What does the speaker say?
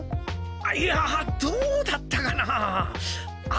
いやどうだったかなあ。